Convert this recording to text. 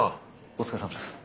お疲れさまです。